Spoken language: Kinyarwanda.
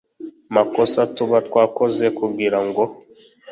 makosa tuba twakoze kugira ngo